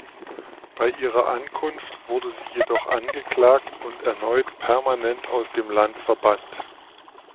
Bei ihrer Ankunft wurde sie jedoch angeklagt und erneut permanent aus dem Land verbannt.